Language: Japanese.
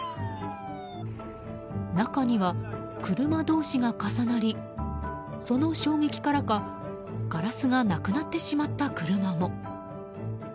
中には車同士が重なりその衝撃からかガラスがなくなってしまった車も。